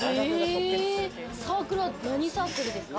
サークルは何サークルですか？